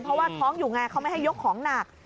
เพราะว่าท้องอยู่ไงเขาไม่ให้ยกของหนัก